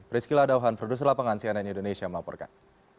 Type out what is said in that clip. priscila dauhan produsen lapangan cnn indonesia melaporkan